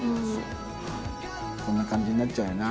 こんな感じになっちゃうよな。